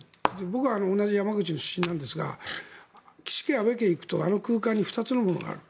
僕は同じ山口の出身なんですが岸家、安倍家に行くとあの空間に２つのものがある。